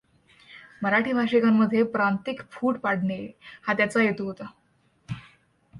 मराठी भाषिकांमध्ये प्रांतिक फूट पाडणे हा त्याचा हेतू होता.